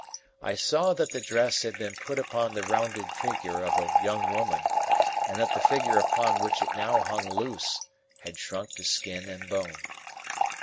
I saw that the dress had been put upon the rounded figure of a young woman, and that the figure upon which it now hung loose had shrunk to skin and bone.